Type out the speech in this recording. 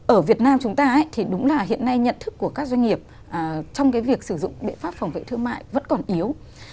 ở việt nam chúng ta thì đúng là hiện nay nhận thức của các doanh nghiệp trong cái việc sử dụng biện pháp phòng vệ thương mại vẫn còn yếu